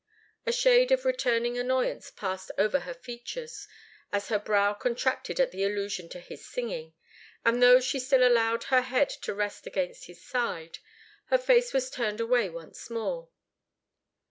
A shade of returning annoyance passed over her features, as her brow contracted at the allusion to his singing, and though she still allowed her head to rest against his side, her face was turned away once more.